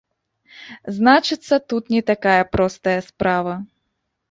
Значыцца, тут не такая простая справа!